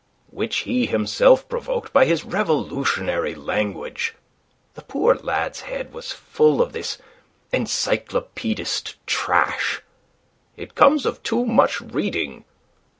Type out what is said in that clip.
"Which he himself provoked by his revolutionary language. The poor lad's head was full of this encyclopaedist trash. It comes of too much reading.